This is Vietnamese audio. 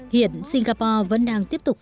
hiện singapore vẫn đang tiếp tục